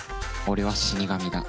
俺は死神だ。